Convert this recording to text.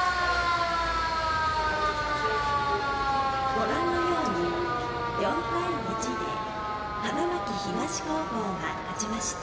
ご覧のように４対１で花巻東高校が勝ちました。